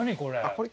これ。